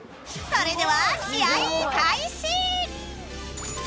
それでは試合開始！